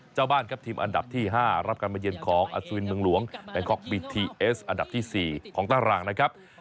เจ้าบ้านครับทีมอันดับที่๕รับการมาเย็นของอสุวินเมืองหลวงแบงคอกบีทีเอสอันดับที่๔ของตารางนะครับ